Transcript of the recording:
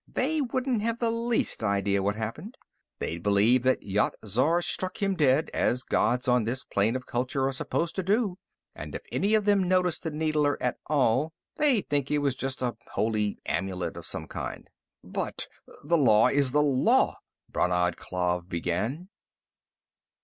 They wouldn't have the least idea what happened. They'd believe that Yat Zar struck him dead, as gods on this plane of culture are supposed to do, and if any of them noticed the needler at all, they'd think it was just a holy amulet of some kind." "But the law is the law " Brannad Klav began.